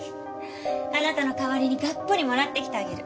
あなたの代わりにガッポリもらってきてあげる。